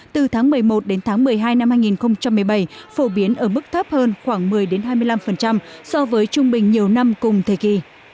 từ tháng một mươi một đến tháng một mươi hai năm hai nghìn một mươi bảy phổ biến ở mức thấp hơn khoảng một mươi hai mươi năm so với trung bình nhiều năm cùng thời kỳ